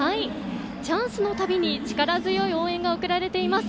チャンスの度力強い応援が送られています。